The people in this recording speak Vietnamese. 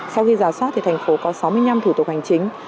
sau khi giả soát thì thành phố có sáu mươi năm thủ tục hành chính